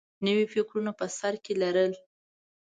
نوي فکرونه په سر کې لرل